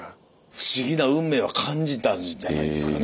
不思議な運命は感じたんじゃないですかね